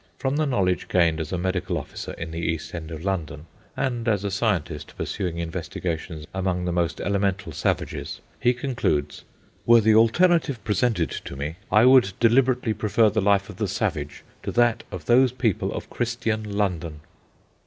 From the knowledge gained as a medical officer in the East End of London, and as a scientist pursuing investigations among the most elemental savages, he concludes, "Were the alternative presented to me, I would deliberately prefer the life of the savage to that of those people of Christian London."